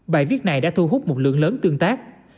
bài viết này đã thu hút một lượng lớn tương tác